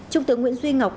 trung tướng nguyễn duy ngọc